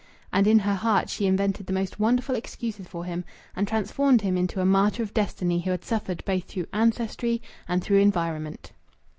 And in her heart she invented the most wonderful excuses for him, and transformed him into a martyr of destiny who had suffered both through ancestry and through environment.